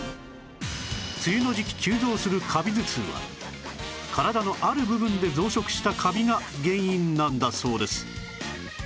梅雨の時期急増するカビ頭痛は体のある部分で増殖したカビが原因なんだそうです